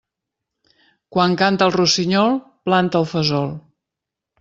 Quan canta el rossinyol, planta el fesol.